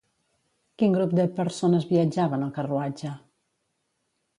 Quin grup de persones viatjava en el carruatge?